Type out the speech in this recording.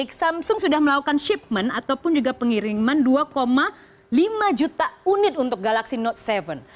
baik samsung sudah melakukan shipment ataupun juga pengiriman dua lima juta unit untuk galaxy note tujuh